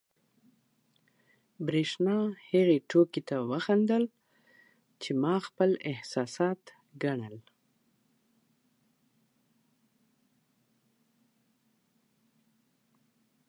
برېښنا هغې ټوکې ته وخندل، چې ما خپل احساسات ګڼل.